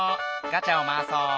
ガチャをまわそう。